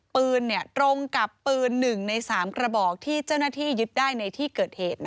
ปืนตรงกับปืน๑ใน๓กระบอกที่เจ้าหน้าที่ยึดได้ในที่เกิดเหตุ